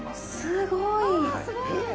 すごい！